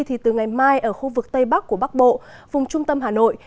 thì từ ngày mai ở khu vực tây bắc của bắc bộ vùng trung tâm hà nội